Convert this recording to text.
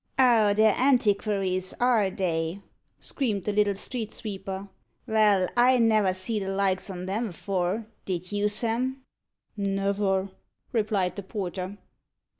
"Oh, they're antiquaries, are they?" screamed the little street sweeper. "Vell, I never see the likes on 'em afore; did you, Sam?" "Never," replied the porter.